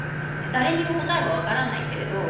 誰にも答えは分からないけれど。